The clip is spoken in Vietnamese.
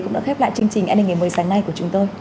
cũng đã khép lại chương trình an nghề mới sáng nay của chúng tôi